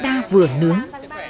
đa vừa nướng